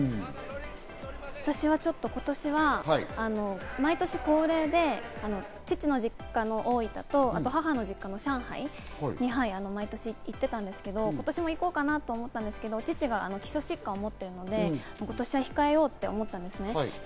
私はちょっと今年は、毎年恒例で父の実家の大分と母の実家の上海に毎年行ってたんですけど、今年も行こうかなと思ったんですけど、父が基礎疾患を持っているので、今年は控えようと思ったんですね。